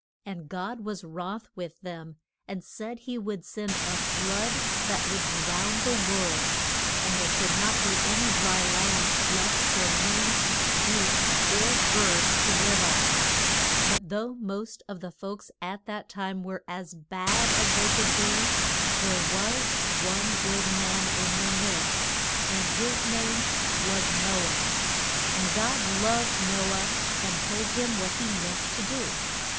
And God was wroth with them, and said he would send a flood that would drown the world, and there should not be any dry land left for men, beasts, or birds to live on. But though most of the folks at that time were as bad as they could be, there was one good man in their midst, and his name was No ah. [Illustration: THE ARK.] And God loved No ah and told him what he meant to do.